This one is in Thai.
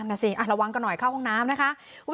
น่ะสิระวังกันหน่อยเข้าห้องน้ำนะคะ